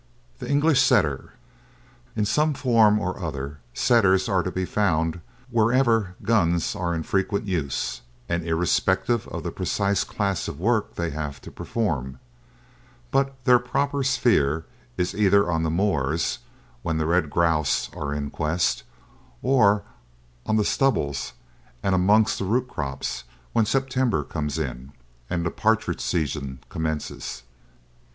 THE ENGLISH SETTER. In some form or other Setters are to be found wherever guns are in frequent use and irrespective of the precise class of work they have to perform; but their proper sphere is either on the moors, when the red grouse are in quest, or on the stubbles and amongst the root crops, when September comes in, and the partridge season commences.